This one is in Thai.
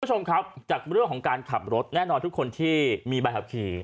คุณผู้ชมครับจากเรื่องของการขับรถแน่นอนทุกคนที่มีใบขับขี่